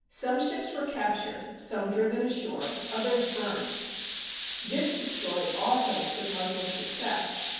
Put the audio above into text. Some ships were captured, some driven ashore, others burned. This destroyed all hopes of Moslem success.